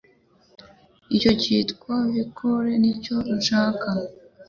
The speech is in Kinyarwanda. Icyo cyitwa VKool nicyo nshaka